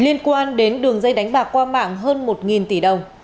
liên quan đến đường dây đánh bạc qua mạng hơn một tỷ đồng